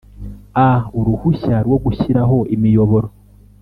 A uruhushya rwo gushyiraho imiyoboro